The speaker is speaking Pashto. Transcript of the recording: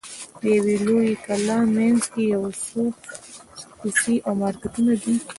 د یوې لویې کلا منځ کې یو څو کوڅې او مارکېټونه دي.